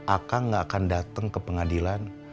aka gak akan datang ke pengadilan